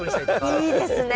いいですね。